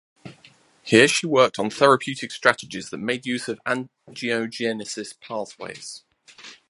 Here she worked on therapeutic strategies that made use of angiogenesis pathways.